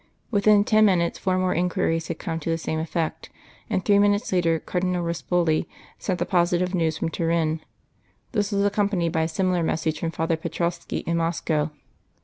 Within ten minutes four more inquiries had come to the same effect; and three minutes later Cardinal Ruspoli sent the positive news from Turin. This was accompanied by a similar message from Father Petrovski in Moscow.